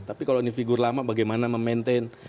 tapi kalau ini figur lama bagaimana memaintain